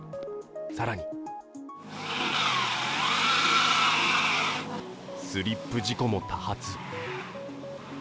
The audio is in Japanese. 更にスリップ事故も多発。